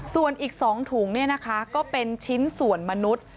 ส่วนอีก๒ถุงเนี่ยนะคะก็เป็นชิ้นส่วนมนุษย์